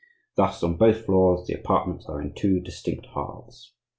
Thus, on both floors, the apartments are in two distinct halves.